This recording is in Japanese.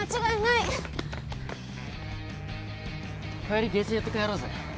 帰りゲーセン寄って帰ろうぜ。